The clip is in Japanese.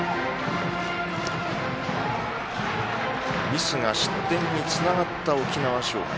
ミスが失点につながった沖縄尚学。